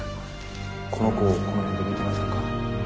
この子をこの辺で見てませんか？